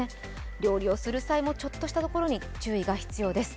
料理をする際も、ちょっとしたところに注意が必要です。